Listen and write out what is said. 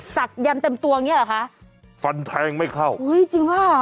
ศักดันเต็มตัวอย่างเงี้เหรอคะฟันแทงไม่เข้าอุ้ยจริงป่ะ